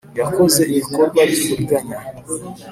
Yakoze ibikorwa by uburiganya